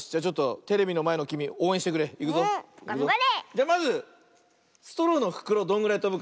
じゃまずストローのふくろどんぐらいとぶか。